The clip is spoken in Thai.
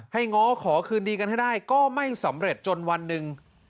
ง้อขอคืนดีกันให้ได้ก็ไม่สำเร็จจนวันหนึ่ง